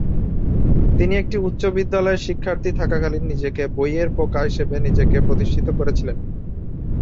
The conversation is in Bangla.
তিনি একটি উচ্চ বিদ্যালয়ের শিক্ষার্থী থাকাকালীন নিজেকে "বইয়ের পোকা" হিসাবে নিজেকে প্রতিষ্ঠিত করেছিলেন।